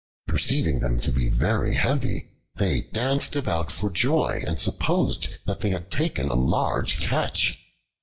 Perceiving them to be very heavy, they danced about for joy and supposed that they had taken a large catch.